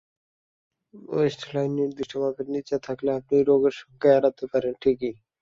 West line নির্দিষ্ট মাপের নিচে থাকলে আপনি রোগের শঙ্কা এড়াতে পারেন ঠিকই।